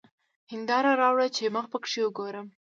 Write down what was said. هېنداره راوړه چي مخ پکښې وګورم!